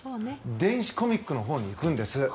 電子コミックのほうにいくんです